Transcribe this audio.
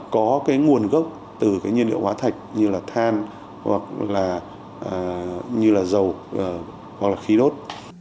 có cái nguồn gốc từ cái nhiên liệu hóa thạch như là than hoặc là như là dầu hoặc là khí đốt